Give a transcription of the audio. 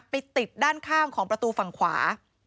ไปติดด้านข้างของประตูฝั่งขวา